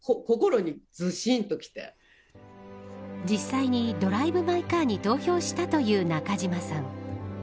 実際にドライブ・マイ・カーに投票したという中島さん。